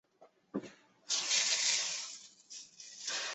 星野满是日本的女性艺人。